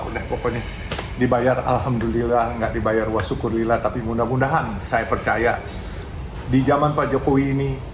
udah pokoknya dibayar alhamdulillah nggak dibayar wasyukur lila tapi mudah mudahan saya percaya di zaman pak jokowi ini